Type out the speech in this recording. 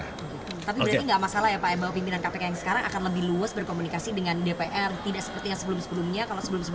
tapi berarti nggak masalah ya pak ya bahwa pimpinan kpk yang sekarang akan lebih luas berkomunikasi dengan dpr tidak seperti yang sebelum sebelumnya